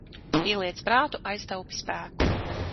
Pieliec prātu, aiztaupi spēku.